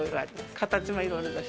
形もいろいろだし。